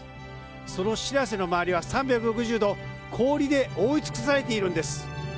そのしらせの周りは３６０度、氷で覆い尽くされているんです。